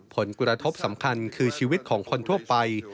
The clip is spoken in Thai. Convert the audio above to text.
ผลกระทบสำคัญคือชีวิตของคนทั่วไป